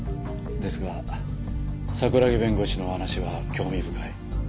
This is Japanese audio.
ですが櫻木弁護士のお話は興味深い。